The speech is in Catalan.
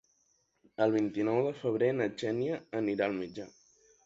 El vint-i-nou de febrer na Xènia anirà al metge.